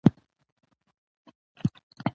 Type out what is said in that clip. ځمکه د افغانستان د طبیعت د ښکلا یوه مهمه برخه ده.